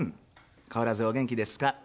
変わらずお元気ですか？